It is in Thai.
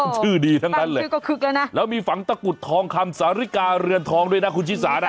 ชื่อดีทั้งทั้งเลยครับแล้วมีฝังตะกุดทองคลามสาธาริกาเหรือนทองด้วยนะคุณชินสานะ